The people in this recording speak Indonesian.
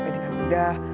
tidak dicapai dengan mudah